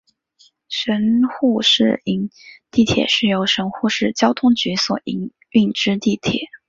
神户市营地铁是由神户市交通局所营运之地铁。